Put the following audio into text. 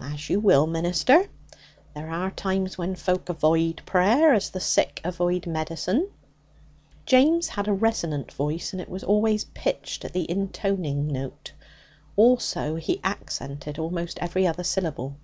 'As you will, minister. There are times when folk avoid prayer as the sick avoid medicine.' James had a resonant voice, and it was always pitched on the intoning note. Also, he accented almost every other syllable.